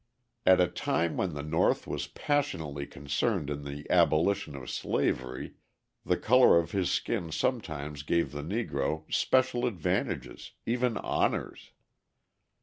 At a time when the North was passionately concerned in the abolition of slavery the colour of his skin sometimes gave the Negro special advantages, even honours.